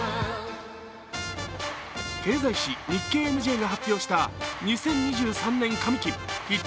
経済紙、「日経ＭＪ」が発表した２０２３年上期ヒット